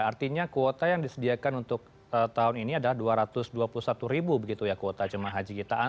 artinya kuota yang disediakan untuk tahun ini adalah dua ratus dua puluh satu ribu begitu ya kuota jemaah haji kita